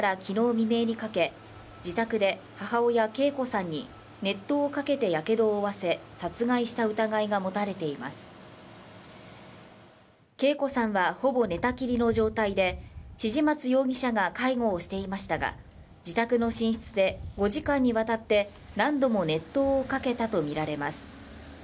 未明にかけ自宅で母親桂子さんに熱湯をかけてやけどを負わせ殺害した疑いが持たれています桂子さんはほぼ寝たきりの状態で千々松容疑者が介護をしていましたが自宅の寝室で５時間にわたって何度も熱湯をかけたと見られます